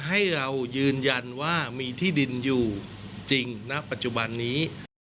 ให้เรายืนยันว่ามีที่ดินอยู่จริงณปัจจุบันนี้